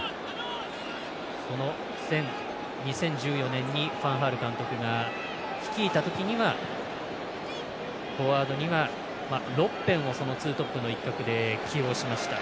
２０１４年ファン・ハール監督が率いたときにはフォワードにはロッベンをツートップの一角で起用しました。